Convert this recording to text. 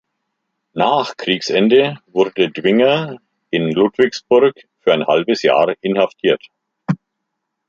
Nach Kriegsende wurde Dwinger in Ludwigsburg für ein halbes Jahr inhaftiert.